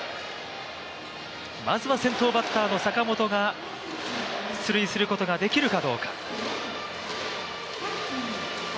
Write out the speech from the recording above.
まずは先頭バッターの坂本が出塁することができるかどうか。